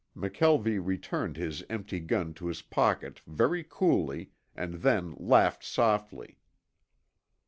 McKelvie returned his empty gun to his pocket very coolly, and then laughed softly.